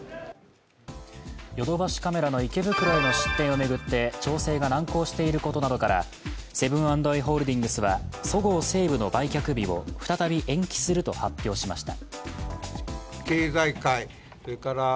ヨドバシカメラの池袋への出店を巡って調整が難航していることなどからセブン＆アイ・ホールディングスはそごう・西武の売却日を再び延期すると発表しました。